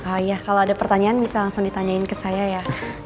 ah iya kalo ada pertanyaan bisa langsung ditanyain ke saya ya